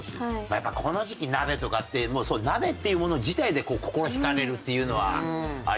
やっぱこの時期鍋とかって鍋っていうもの自体で心引かれるっていうのはありますわね。